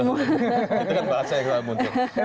itu kan bahasa yang sudah muncul